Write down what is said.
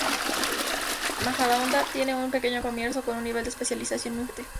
Majadahonda tiene un pequeño comercio con un nivel de especialización muy fuerte.